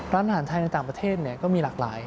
ร้านอาหารไทยในต่างประเทศก็มีหลากหลาย